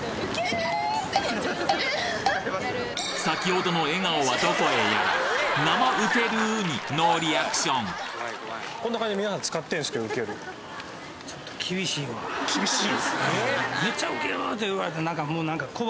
先ほどの笑顔はどこへやら生ウケるにノーリアクション厳しい？